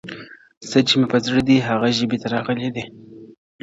• څه چي مي په زړه دي هغه ژبي ته راغلي دي -